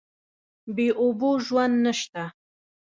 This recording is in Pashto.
بې اوبو ژوند نشته.